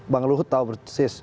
bang gerindra tahu persis